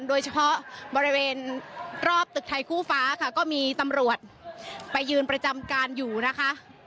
โดยเฉพาะบริเวณรอบตึกไทยคู่ฟ้าค่ะก็มีตำรวจไปยืนประจำการอยู่นะคะ